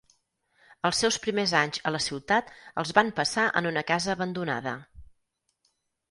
Els seus primers anys a la ciutat els van passar en una casa abandonada.